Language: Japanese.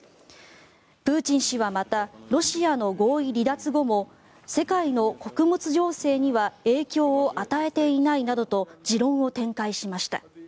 プーチン氏はまたロシアの合意離脱後も世界の穀物情勢には影響を与えていないなどと持論を展開しました。